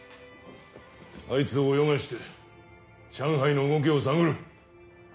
あいつを泳がして上海の動きを探る。